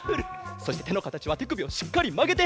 そしててのかたちはてくびをしっかりまげて！